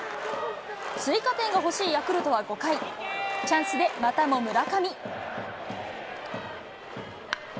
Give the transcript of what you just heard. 追加点が欲しいヤクルトは５回、チャンスでまたも村上。